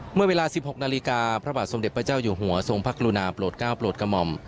เมื่อเวลา๑๖นาฬิกาพระบาทสมเด็จพระเจ้าอยู่หัวทรงพระกรุณาโปรดก้าวโปรดกระหม่อม